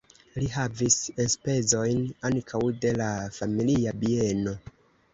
Li havis enspezojn ankaŭ de la familia bieno.